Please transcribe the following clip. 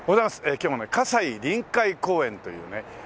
今日もね西臨海公園というね。